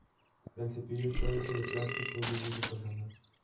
El cepillo está hecho de plástico y es de uso personal.